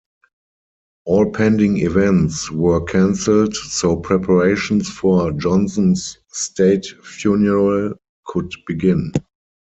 All pending events were cancelled so preparations for Johnson's state funeral could begin.